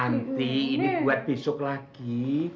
nanti ini buat besok lagi